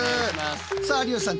さあ有吉さん